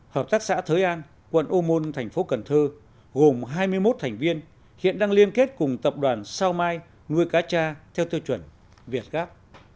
hợp tác xã thới an quận ô môn thành phố cần thơ gồm hai mươi một thành viên hiện đang liên kết cùng tập đoàn sao mai nuôi cá cha theo tiêu chuẩn việt gáp